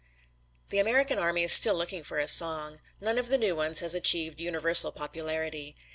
The American army is still looking for a song. None of the new ones has achieved universal popularity.